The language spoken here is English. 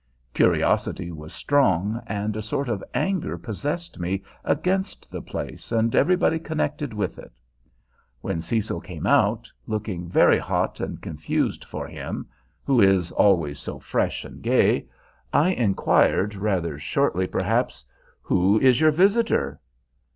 Curiosity was strong, and a sort of anger possessed me against the place and everybody connected with it. When Cecil came out, looking very hot and confused for him, who is always so fresh and gay, I inquired, rather shortly perhaps, "Who is your visitor?"